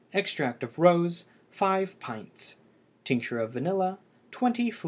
Extract of rose 5 pints. Tincture of vanilla 20 fl.